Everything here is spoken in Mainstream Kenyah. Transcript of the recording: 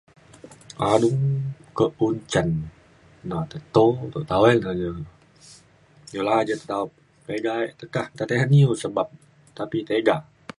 adung ke pu'un cen na teto te tawai le keja ngelaa ja tetaup tiga ek teka nta tesen iu sebab tapi tiga